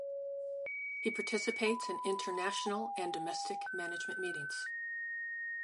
He participates in international and domestic management meetings.